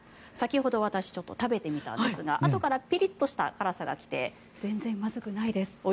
先ほど私ちょっと食べてみたんですがあとからピリッとしたからさが来て全然まずくないです。